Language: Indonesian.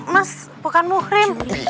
mas bukan muhrim